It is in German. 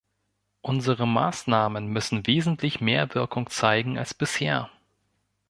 Unsere Maßnahmen müssen wesentlich mehr Wirkung zeigen als bisher.